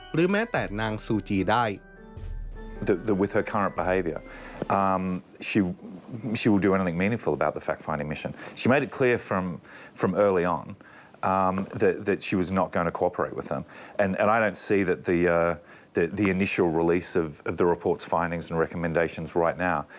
หรือแม้แต่นางซูจีได้